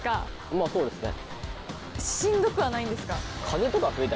まぁそうですね。